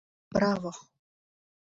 — Браво!